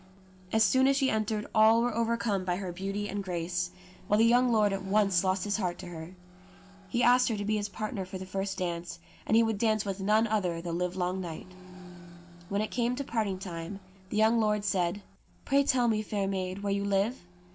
As soon as she entered all were overcome by her beauty and grace, while the young lord at once lost his heart to her. He asked her to be his partner for the first dance ; and he would dance with none other the livelong night. When it came to parting time, the young lord said, " Pray tell me, fair maid, where you live